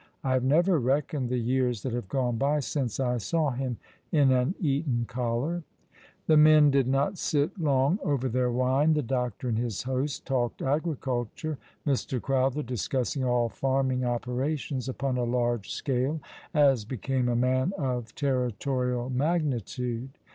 I have nevor reckoned the years that have gone by since I saw him in an Eton collar." The men did not sit long over their wine. The doctor and his host talked agriculture, Mr. Crowther discussing all farming operations upon a large scale as became a man of territorial magnitude.